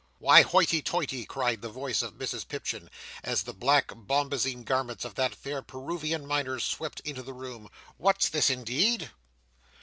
"Why, hoity toity!" cried the voice of Mrs Pipchin, as the black bombazeen garments of that fair Peruvian Miner swept into the room. "What's this, indeed?"